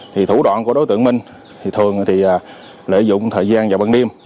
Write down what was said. thì thủ đoạn của đối tượng minh thì thường thì lợi dụng thời gian vào ban đêm